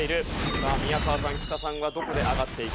さあ宮川さん木佐さんはどこで上がっていけるかです。